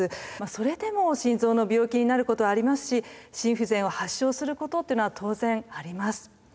それでも心臓の病気になることはありますし心不全を発症することというのは当然あります。